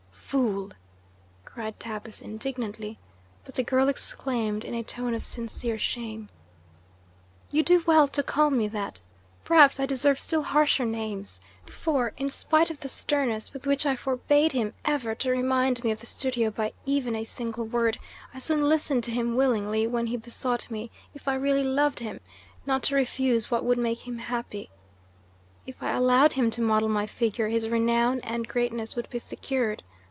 "Fool!" cried Tabus indignantly, but the girl exclaimed, in a tone of sincere shame: "You do well to call me that. Perhaps I deserve still harsher names, for, in spite of the sternness with which I forbade him ever to remind me of the studio by even a single word, I soon listened to him willingly when he besought me, if I really loved him, not to refuse what would make him happy. If I allowed him to model my figure, his renown and greatness would be secured.